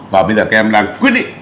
và bây giờ các em đang quyết định